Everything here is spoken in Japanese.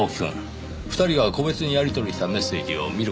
２人が個別にやりとりしたメッセージを見る事はできますか？